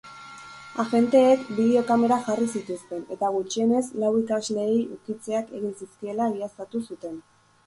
Agenteek bideo-kamerak jarri zituzten eta gutxienez lau ikasleei ukitzeak egin zizkiela egiaztatu zuten.